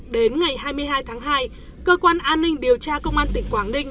đến ngày hai mươi hai tháng hai cơ quan an ninh điều tra công an tỉnh quảng ninh